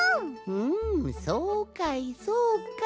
ふんそうかいそうかい。